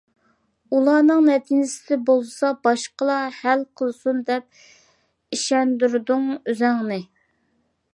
ئۇلارنىڭ نەتىجىسىنى بولسا باشقىلار ھەل قىلسۇن دەپ ئىشەندۈردۈڭ ئۆزۈڭنى.